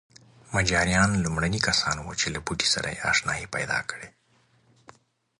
مجاریان لومړني کسان وو چې له بوټي سره اشنايي پیدا کړې.